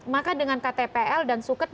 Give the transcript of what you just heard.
maka dengan ktpl dan suket